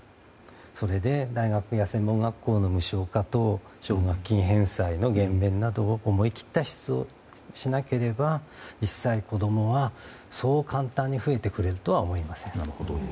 それで大学や専門学校の無償化と奨学金返済の減免などの思い切った支出をしないと実際、子供はそう簡単に増えてくれるとは思いません。